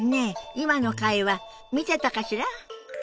今の会話見てたかしら？